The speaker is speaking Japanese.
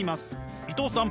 伊藤さん